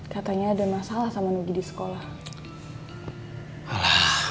katanya ada masalah sama nugi di sekolah